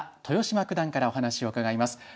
豊島九段からお話を伺います。